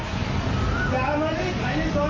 อภัยอีกนะแถวเขากี้ก็ไม่ให้แม่ง